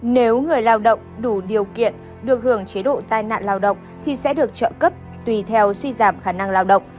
nếu người lao động đủ điều kiện được hưởng chế độ tai nạn lao động thì sẽ được trợ cấp tùy theo suy giảm khả năng lao động